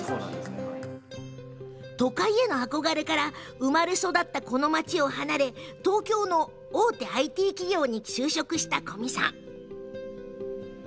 都会への憧れから生まれ育ったこの町を離れ東京の大手ＩＴ企業に就職した古味さん。